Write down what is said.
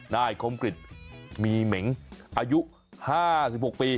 นายคมกริจมีเหม็งอายุ๕๖ปี